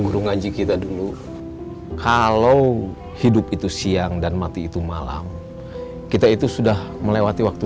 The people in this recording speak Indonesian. guru ngaji kita dulu kalau hidup itu siang dan mati itu malam kita itu sudah melewati waktu